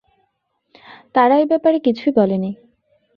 তারা এই ব্যাপারে কিছুই বলেনি।